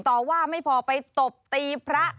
ต่อว่าไม่พอไปตบตีพระ